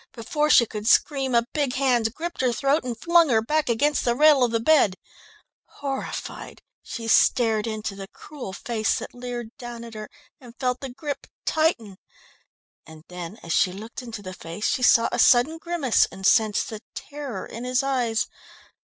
Before she could scream, a big hand gripped her throat and flung her back against the rail of the bed. Horrified she stared into the cruel face that leered down at her, and felt the grip tighten. And then as she looked into the face she saw a sudden grimace, and sensed the terror in his eyes.